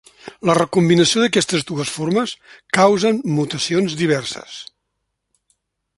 La recombinació d’aquestes dues formes causen mutacions diverses.